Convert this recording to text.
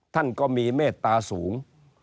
ท่านก็มีเมตตาสูง